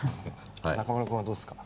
中村君はどうっすか？